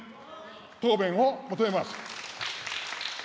答弁を求めます。